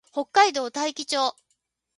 北海道大樹町